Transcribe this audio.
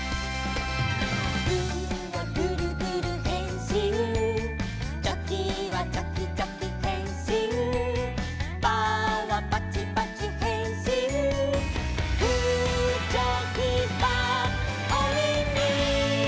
「グーはグルグルへんしん」「チョキはチョキチョキへんしん」「パーはパチパチへんしん」「グーチョキパーおみみ」